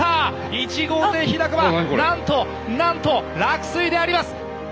１号艇日高はなんとなんと落水であります。